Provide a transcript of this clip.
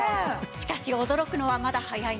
しかし驚くのはまだ早いんです。